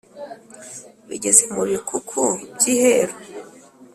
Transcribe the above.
Bigeza mu Bikuku by'iheru